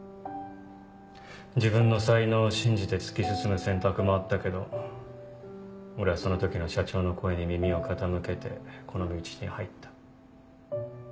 自分の才能を信じて突き進む選択もあったけど俺はその時の社長の声に耳を傾けてこの道に入った。